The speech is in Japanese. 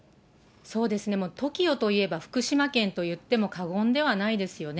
そうですね、ＴＯＫＩＯといえば福島県といっても過言ではないですよね。